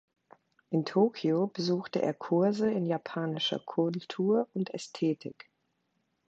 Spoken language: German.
In Tokio besuchte er Kurse in japanischer Kultur und Ästhetik.